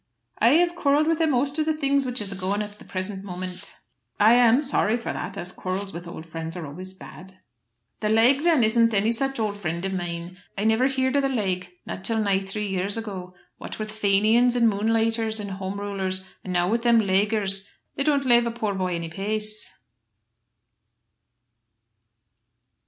"I have quarrelled with a'most of the things which is a going at the present moment." "I'm sorry for that, as quarrels with old friends are always bad." "The Laague, then, isn't any such old friend of mine. I niver heerd of the Laague, not till nigh three years ago. What with Faynians, and moonlighters, and Home Rulers, and now with thim Laaguers, they don't lave a por boy any pace."